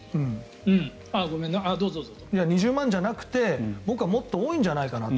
２０万人じゃなくて僕はもっと多いんじゃないかなと。